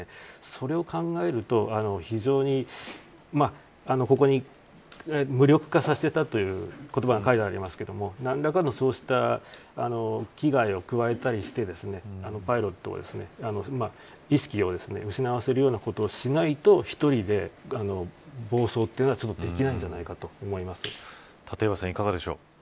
それを考えると非常にここに無力化させたという言葉が書いてありますが何らかのそうした危害を加えたりしてパイロットの意識を失わせるようなことをしないと１人で暴走ということはできないんじゃないかと思いますね。